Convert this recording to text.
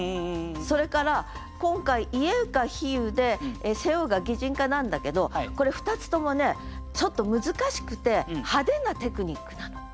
それから今回「家」が比喩で「背負う」が擬人化なんだけどこれ２つともねちょっと難しくて派手なテクニックなの。